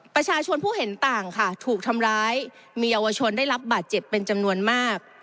ประชาชนผู้เห็นต่างค่ะถูกทำร้ายมีเยาวชนได้รับบาดเจ็บเป็นจำนวนมาก